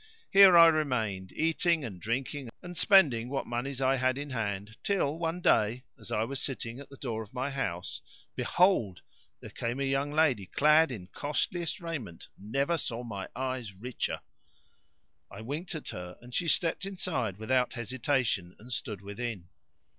Here I remained, eating and drinking and spending what monies I had in hand till, one day, as I was sitting at the door of my house be hold, there came up a young lady clad in costliest raiment never saw my eyes richer. I winked[FN#5886 at her and she stepped inside without hesitation and stood within.